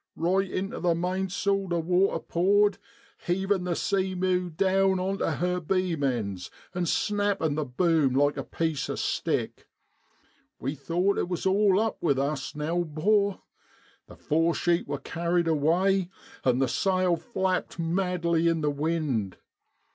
Eight intu the mainsail the water poured, heavin' the Sea meiu down on tu her beam ends, and snappin' the boom like a piece o' stick. We thought it wor all up with us now, 'bor. The fore sheet wor carried away, an' the sail flapped madly in the wind.